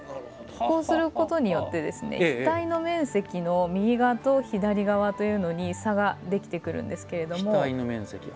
こうすることによって額の面積の右側と左側というのに差ができてくるんですけれども。